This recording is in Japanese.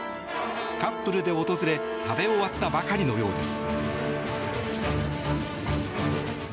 カップルで訪れ食べ終わったばかりのようです。